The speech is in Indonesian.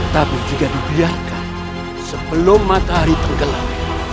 tapi juga dibiarkan sebelum matahari tenggelam